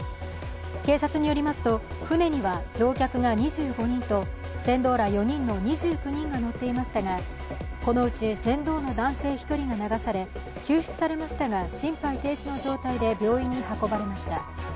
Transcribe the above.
警察によりますと、舟には乗客が２５人と船頭ら４人の２９人が乗っていましたがこのうち船頭の男性１人が流され、救出されましたが、心肺停止の状態で病院に運ばれました。